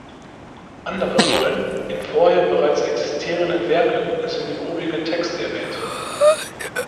Andere Rollen (in vorher bereits existierenden Werken) sind im obigen Text erwähnt.